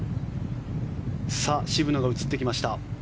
渋野が映ってきました。